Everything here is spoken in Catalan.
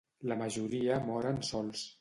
La majoria moren sols.